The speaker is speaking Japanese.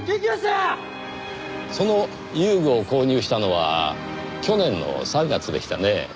その遊具を購入したのは去年の３月でしたね。